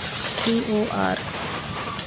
ޓީ.އޯ.އާރް.